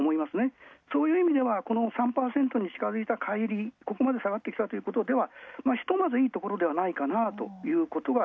そういう意味ではこの３％に近づいた乖離、ここまで下がってきたのはひとまずいいところではないかなと。